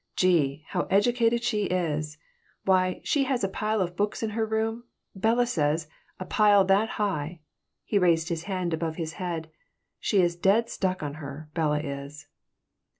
Gee! how educated she is! Why, she has a pile of books in her room, Bella says, a pile that high." He raised his hand above his head. "She is dead stuck on her, Bella is."